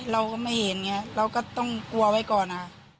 เราก็ไม่เห็นเราก็ต้องกลัวไว้ก่อน